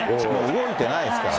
動いてないですからね。